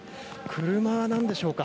車なんでしょうか。